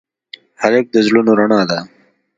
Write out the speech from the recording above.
هلک د زړونو رڼا ده.